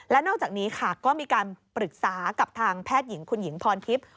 และนอกจากนี้ค่ะก็มีการปรึกษากับทางแพทย์หญิงคุณหญิงพรทิพย์